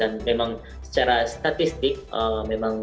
saya juga menarik dari thailand